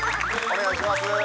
お願いします